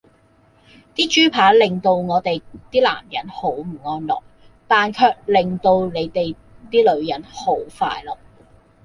啲豬扒令到我哋啲男人好唔安樂,但卻令到你哋啲女人好快樂!